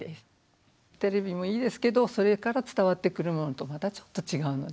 テレビもいいですけどそれから伝わってくるものとまたちょっと違うので。